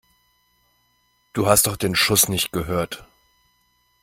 Du hast doch den Schuss nicht gehört!